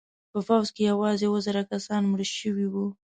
په پوځ کې یوازې اوه زره کسان مړه شوي وو.